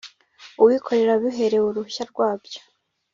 uwikorera wabiherewe uruhushya rwabyo